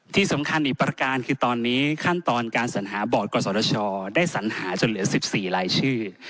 ที่สำคัญอีกประการคือตอนนี้ขั้นตอนการสัญหาบอร์ดกศชได้สัญหาจนเหลือ๑๔รายชื่อ